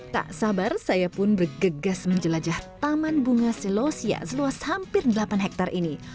tak sabar saya pun bergegas menjelajah taman bunga selosia seluas hampir delapan hektare ini